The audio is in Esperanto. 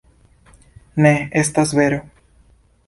Ne, estas vero.